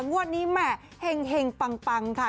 งวดนี้แหม่เห็งปังค่ะ